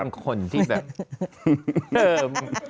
ท่านเป็นคนที่แบบ